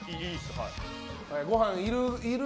ごはんいる？